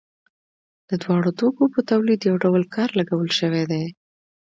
د دواړو توکو په تولید یو ډول کار لګول شوی دی